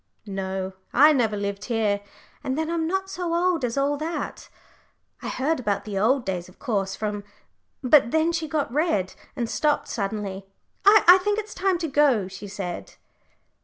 "No, I never lived here, and then I'm not so old as all that. I heard about the old days of course from " but then she got red, and stopped suddenly. "I think it's time to go," she said.